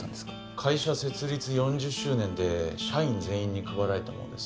会社設立４０周年で社員全員に配られたものです